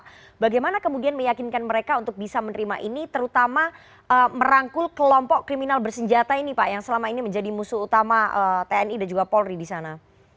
pak bagaimana kemudian meyakinkan mereka untuk bisa menerima ini terutama merangkul kelompok kriminal bersenjata ini pak yang selama ini menjadi musuh utama tni dan juga polri di sana